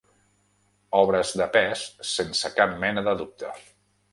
Obres de pes, sense cap mena de dubte.